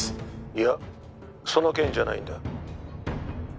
「いやその件じゃないんだ」